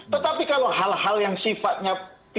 tetapi kalau hal hal yang sifatnya